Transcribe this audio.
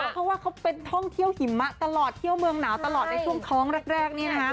เพราะว่าเขาเป็นท่องเที่ยวหิมะตลอดเที่ยวเมืองหนาวตลอดในช่วงท้องแรก